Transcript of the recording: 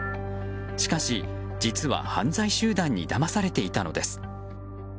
しかし、実は犯罪集団にだまされていたのです。